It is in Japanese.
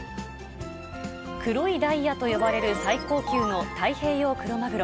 黒いダイヤと呼ばれる最高級の太平洋クロマグロ。